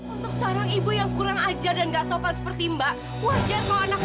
untuk seorang ibu yang kurang ajar dan gak sopan seperti mbak wajar kok anak